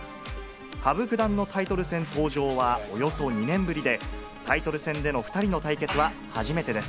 羽生九段のタイトル戦登場はおよそ２年ぶりで、タイトル戦での２人の対決は初めてです。